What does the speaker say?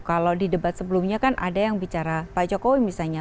kalau di debat sebelumnya kan ada yang bicara pak jokowi misalnya